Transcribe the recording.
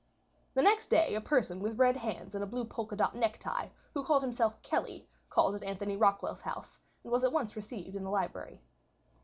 The next day a person with red hands and a blue polka dot necktie, who called himself Kelly, called at Anthony Rockwall's house, and was at once received in the library.